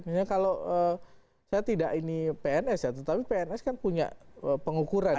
misalnya kalau saya tidak ini pns ya tetapi pns kan punya pengukuran